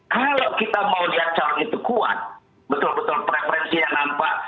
kalau kita mau lihat calon itu kuat betul betul preferensi yang nampak